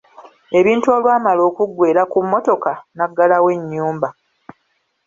Ebintu olwamala okuggweera ku mmotoka n'agalawo ennyumba.